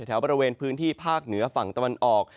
แถวบริเวณพื้นที่ภาคเหนือฝั่งตะวันออก